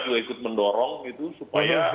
juga ikut mendorong itu supaya